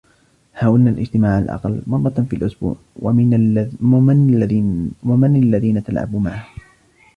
" حاولنا الإجتماع على الأقل مرة في الأسبوع. "" و من الذين تلعب معهم ؟"